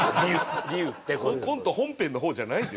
コント本編のほうじゃないんですね。